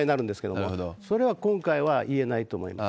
それは今回はいえないと思います。